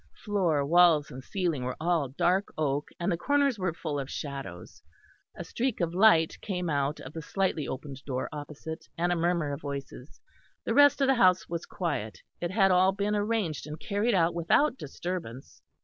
Floor walls and ceiling were all dark oak, and the corners were full of shadows. A streak of light came out of the slightly opened door opposite, and a murmur of voices. The rest of the house was quiet; it had all been arranged and carried out without disturbance.